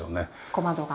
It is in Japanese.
小窓が。